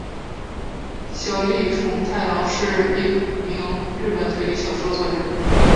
小栗虫太郎是一名日本推理小说作家。